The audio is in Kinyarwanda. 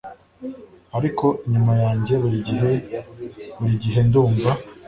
Ariko inyuma yanjye burigihe burigihe ndumva